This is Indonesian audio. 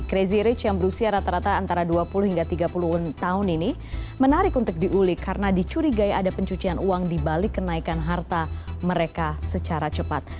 crazy rich yang berusia rata rata antara dua puluh hingga tiga puluh tahun ini menarik untuk diulik karena dicurigai ada pencucian uang dibalik kenaikan harta mereka secara cepat